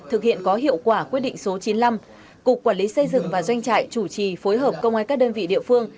thực hiện có hiệu quả quyết định số chín mươi năm cục quản lý xây dựng và doanh trại chủ trì phối hợp công an các đơn vị địa phương